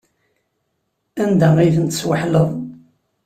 Anda ay tent-tesweḥleḍ?